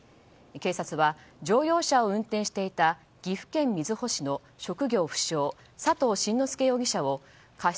警察は乗用車を運転していた岐阜県瑞穂市の佐藤慎之助容疑者を過失